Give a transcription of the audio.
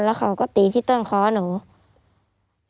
แล้วเขาก็ตีที่ต้นคอหนู